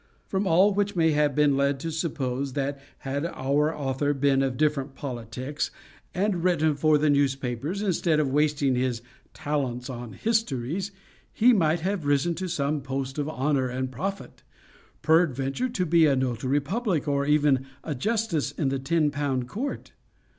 From all which may have been led to suppose, that, had our author been of different politics, and written for the newspapers instead of wasting his talents on histories, he might have risen to some post of honor and profit: peradventure to be a notary public, or even a justice in the ten pound court.